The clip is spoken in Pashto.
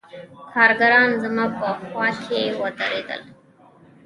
کارګران زما په خوا کښې ودرېدل.